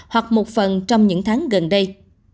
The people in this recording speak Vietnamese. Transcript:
hoặc một phần trong những tháng gần đây